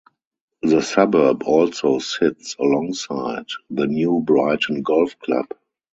The suburb also sits alongside the New Brighton Golf Club.